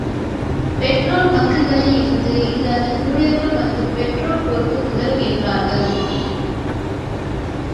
Petrol பங்குகளில் இங்கு அதன் ஊழியர்கள் வந்து பெட்ரோல் போட்டு உதவுகிறார்கள்.